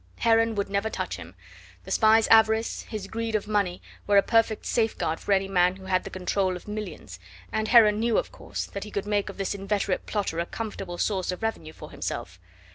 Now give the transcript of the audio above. Heron would never touch him. The spy's avarice, his greed of money were a perfect safeguard for any man who had the control of millions, and Heron knew, of course, that he could make of this inveterate plotter a comfortable source of revenue for himself.